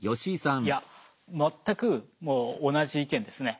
いや全くもう同じ意見ですね。